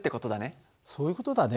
そういう事だね。